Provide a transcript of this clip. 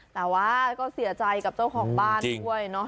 แต่ว่าก็เสียใจกับเจ้าของบ้านด้วยเนาะ